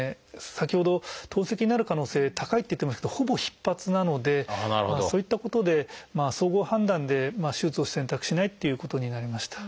先ほど透析になる可能性高いって言ってましたけどほぼ必発なのでそういったことで総合判断で手術を選択しないっていうことになりました。